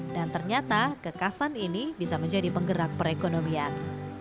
dan ternyata kekasan ini bisa menjadi penggerak perekonomian